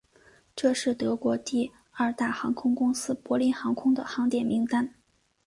这是德国第二大航空公司柏林航空的航点名单。